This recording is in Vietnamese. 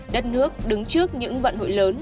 đất nước đứng trước những vận hội lớn